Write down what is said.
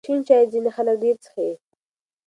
شین چای ځینې خلک ډېر څښي.